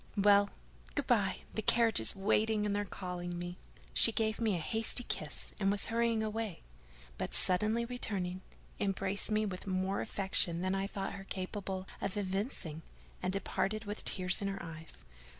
"Well, good by, the carriage is waiting, and they're calling me." She gave me a hasty kiss, and was hurrying away; but, suddenly returning, embraced me with more affection than I thought her capable of evincing, and departed with tears in her eyes.